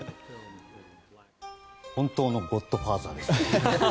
本当のゴッドファーザーですね。